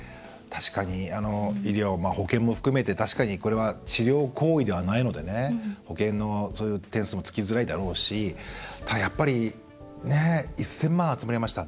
確かに保険も含めてこれは治療行為ではないので保険の点数もつきづらいだろうしただ、やっぱり１０００万集められました